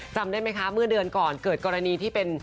จำได้ไหมคะเมื่อเดือนก่อนเกิดกรณีที่เป็น